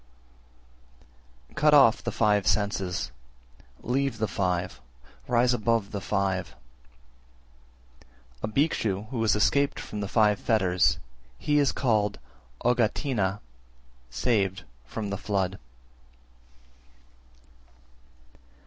370. Cut off the five (senses), leave the five, rise above the five. A Bhikshu, who has escaped from the five fetters, he is called Oghatinna, `saved from the flood.'